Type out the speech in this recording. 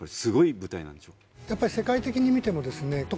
やっぱり世界的に見てもですね